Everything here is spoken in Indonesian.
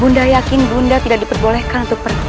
bunda yakin bunda tidak diperbolehkan untuk pergi